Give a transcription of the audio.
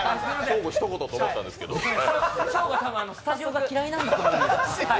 ショーゴは多分、スタジオが嫌いなんだと思います。